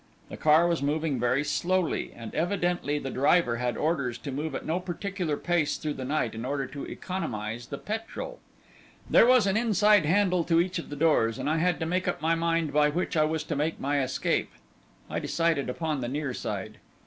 The car was moving very slowly, and evidently the driver had orders to move at no particular pace through the night, in order to economize the petrol. There was an inside handle to each of the doors, and I had to make up my mind by which I was to make my escape. I decided upon the near side.